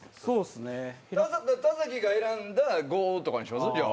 田崎が選んだ５とかにします？